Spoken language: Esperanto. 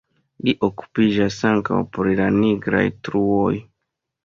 Li okupiĝas ankaŭ pri la nigraj truoj.